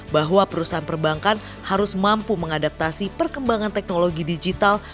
bahwa perusahaan perbankan harus mampu mengadaptasi perkembangan teknologi digital